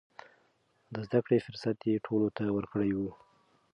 د زده کړې فرصت يې ټولو ته ورکړی و.